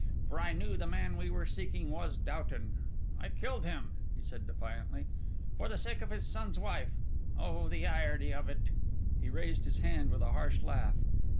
For I knew the man we were seeking was Doughton. I killed him," he said defiantly, "for the sake of his son's wife. Oh, the irony of it!" He raised his hand with a harsh laugh.